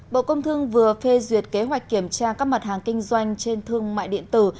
bộ công thương vừa phê duyệt kế hoạch kiểm tra các mặt hàng kinh doanh trên thương mại điện tử